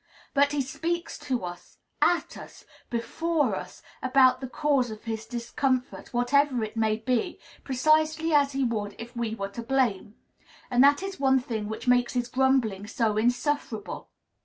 But he speaks to us, at us, before us, about the cause of his discomfort, whatever it may be, precisely as he would if we were to blame; and that is one thing which makes his grumbling so insufferable.